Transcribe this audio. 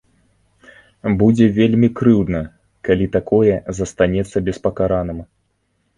Будзе вельмі крыўдна, калі такое застанецца беспакараным.